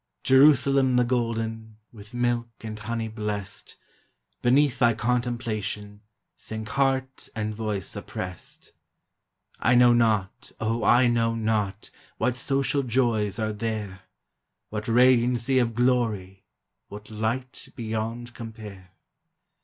Jerusalem the gOlden, With milk and honey blest, Beneath thy contemplation Sink heart and voice oppressed. I know not, () I know not, What social joys are there! What radiancy of glory, What light beyond compare!